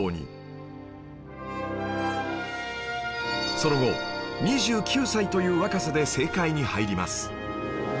その後２９歳という若さで政界に入ります